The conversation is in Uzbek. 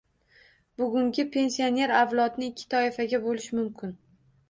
Bugungi pensionerlar avlodini ikki toifaga bo'lish mumkin